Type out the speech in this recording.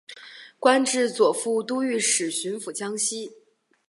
官至左副都御史巡抚江西。